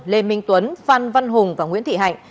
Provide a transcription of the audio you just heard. lê minh tuấn phan văn hùng và nguyễn thị hạnh